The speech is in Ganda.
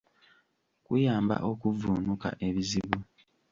Kuyamba okuvvunuka ebizibu.